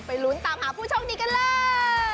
ไปลุ้นตามหาผู้ช่องดีกันเลย